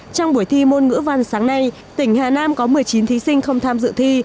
trong buổi thi môn ngữ văn sáng nay tỉnh hà nam có một mươi chín thí sinh không tham dự thi